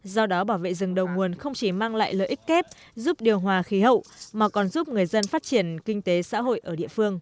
do đó bảo vệ rừng đầu nguồn không chỉ mang lại lợi ích kép giúp điều hòa khí hậu mà còn giúp người dân phát triển kinh tế xã hội ở địa phương